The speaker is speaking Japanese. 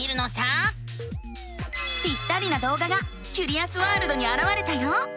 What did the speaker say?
ぴったりなどうががキュリアスワールドにあらわれたよ。